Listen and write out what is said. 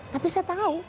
tapi saya tahu